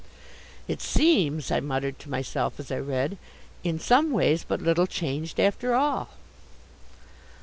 "It seems," I muttered to myself as I read, "in some ways but little changed after all."